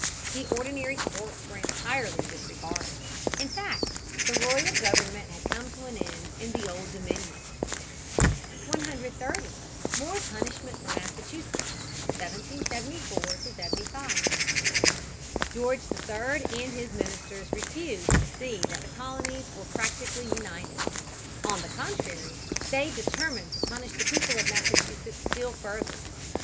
The ordinary courts were entirely disregarded. In fact, the royal government had come to an end in the Old Dominion. [Sidenote: Parliament punishes Massachusetts, 1774 75.] 130. More Punishment for Massachusetts, 1774 75. George III and his ministers refused to see that the colonies were practically united. On the contrary, they determined to punish the people of Massachusetts still further.